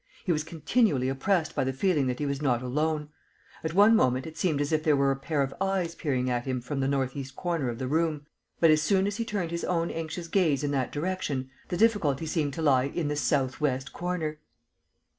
He was continually oppressed by the feeling that he was not alone. At one moment it seemed as if there were a pair of eyes peering at him from the northeast corner of the room, but as soon as he turned his own anxious gaze in that direction the difficulty seemed to lie in the southwest corner.